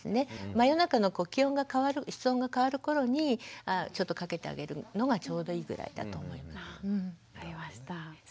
真夜中の気温が変わる室温が変わる頃にちょっと掛けてあげるのがちょうどいいぐらいだと思います。